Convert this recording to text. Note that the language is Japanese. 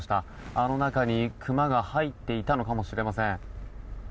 あの中にクマが入っていたのかもしれません。